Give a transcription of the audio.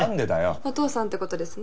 「お父さん」って事ですね。